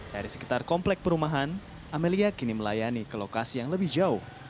dari sekitar komplek perumahan amelia kini melayani ke lokasi yang lebih jauh